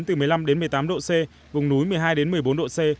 từ một mươi năm đến một mươi tám độ c vùng núi một mươi hai đến một mươi bốn độ c